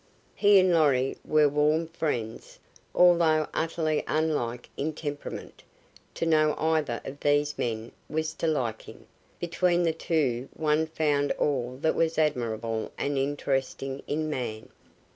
He and Lorry were warm friends, although utterly unlike in temperament; to know either of these men was to like him; between the two one found all that was admirable and interesting in man.